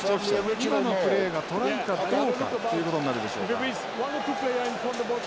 今のプレーがトライかどうかということになるでしょうか。